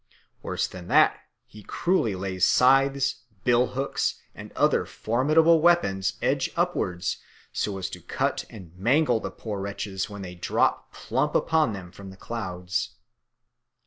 Worse than that, he cruelly lays scythes, bill hooks, and other formidable weapons edge upwards so as to cut and mangle the poor wretches when they drop plump upon them from the clouds.